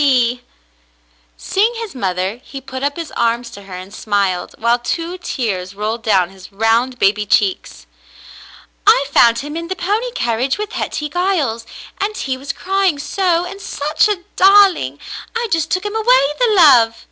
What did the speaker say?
286 The Mountain Girl Seeing his mother, he put up his arms to her and smiled, while two tears rolled down his round baby cheeks. *'I found him in the pony carriage with Hetty Giles, and he was crying so — and such a darling ! I just took him away — the love